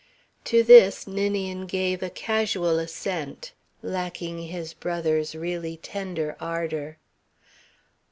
To this Ninian gave a casual assent, lacking his brother's really tender ardour.